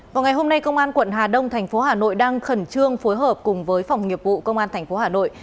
vào ngày hôm nay công an quận hà đông thành phố hà nội đang khẩn trương phối hợp cùng với phòng nghiệp vụ công an tp hà nội